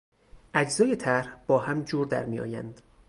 اجزای طرح با هم جور در میآیند.